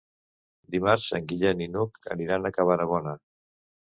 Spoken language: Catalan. Dimarts en Guillem i n'Hug aniran a Cabanabona.